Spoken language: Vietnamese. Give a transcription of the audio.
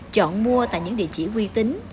chọn mua tại những địa chỉ uy tín